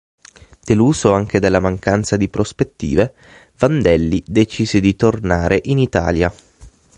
Deluso anche dalla mancanza di prospettive, Vandelli decise di tornare in Italia.